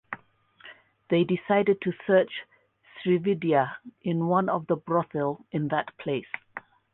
They decided to search Srividya in one of the brothel in that place.